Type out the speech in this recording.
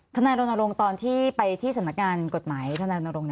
ทนายรณรงค์ตอนที่ไปที่สำนักงานกฎหมายธนายรณรงค